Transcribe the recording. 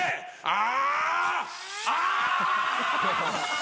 あ！